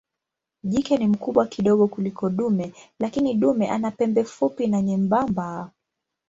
Jike ni mkubwa kidogo kuliko dume lakini dume ana pembe fupi na nyembamba.